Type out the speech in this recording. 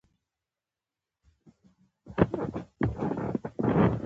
سهار کی قران کریم لوستل به مو ټوله ورځ روښانه ولري